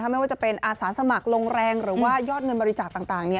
ไม่ว่าจะเป็นอาสาสมัครลงแรงหรือว่ายอดเงินบริจาคต่าง